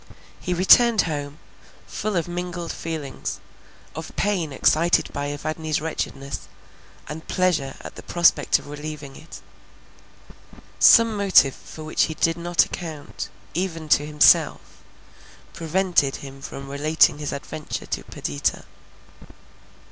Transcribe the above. He returned home, full of mingled feelings, of pain excited by Evadne's wretchedness, and pleasure at the prospect of relieving it. Some motive for which he did not account, even to himself, prevented him from relating his adventure to Perdita.